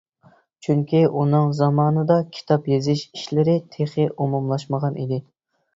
چۈنكى، ئۇنىڭ زامانىدا كىتاب يېزىش ئىشلىرى تېخى ئومۇملاشمىغان ئىدى.